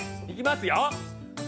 いきますよ。